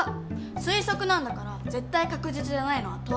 推測なんだから絶対確実じゃないのは当然。